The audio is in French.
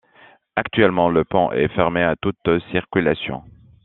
Actuellement, le pont est fermé à toute circulation.